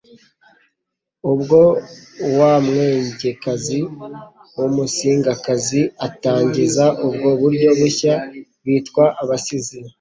ubwo wa mwengekazi w'umusingakazi atangiza ubwo buryo bushya, bitwa ABASIZI.